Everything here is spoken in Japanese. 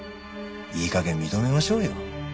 いい加減認めましょうよ。